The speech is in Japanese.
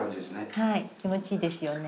はい気持ちいいですよね。